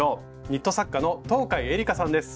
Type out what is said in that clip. ニット作家の東海えりかさんです。